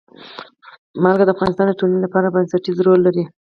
نمک د افغانستان د ټولنې لپاره بنسټيز رول لري.